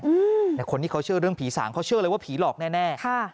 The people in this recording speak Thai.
คนที่เขาเชื่อเรื่องผีสางเขาเชื่อเลยว่าผีหลอกแน่แน่ค่ะ